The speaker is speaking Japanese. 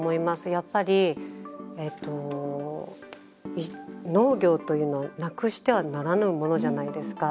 やっぱり農業というのをなくしてはならぬものじゃないですか。